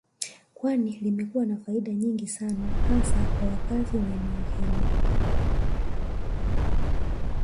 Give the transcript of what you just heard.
Kwani limekuwa na faida nyingi sana hasa kwa wakazi wa eneo hilo